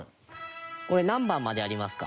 これ、何番までありますか？